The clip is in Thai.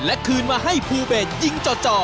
และคืนมาให้ภูเบสยิงจ่อ